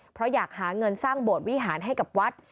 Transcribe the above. เพราะอยากหาเงินสร้างโบสถวิหารให้กับวัด